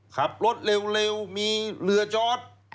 ขับรถเร็วมีเรือจอด